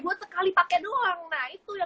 buat sekali pakai doang nah itu yang